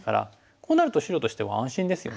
こうなると白としては安心ですよね。